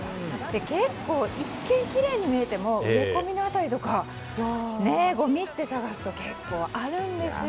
結構、一見きれいに見えても植え込みの辺りとかごみって探すと結構あるんですよ。